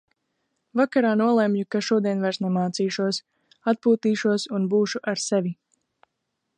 Vakarā nolemju, ka šodien vairs nemācīšos. Atpūtīšos un būšu ar sevi.